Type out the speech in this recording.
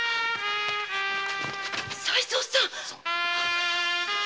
才三さん？